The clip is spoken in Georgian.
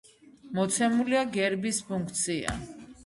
მოცემულია გერბის ფუნქცია.